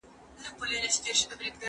که وخت وي، لوښي وچوم؟